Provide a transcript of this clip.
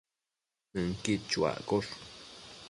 Nënquid chuaccosh